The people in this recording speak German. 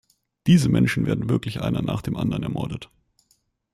Diese Menschen werden wirklich einer nach dem anderen ermordet.